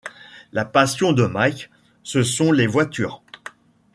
La passion de Mike, ce sont les voitures.